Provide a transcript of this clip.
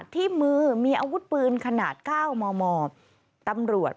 ที่มือมีอาวุธปืนขนาด๙มมตำรวจ